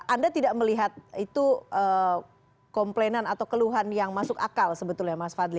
anda tidak melihat itu komplainan atau keluhan yang masuk akal sebetulnya mas fadli